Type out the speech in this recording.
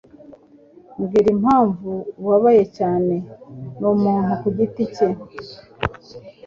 Mbwira impamvu ubabaye cyane." "Ni umuntu ku giti cye."